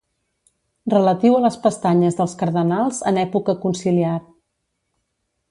Relatiu a les pestanyes dels cardenals en època conciliar.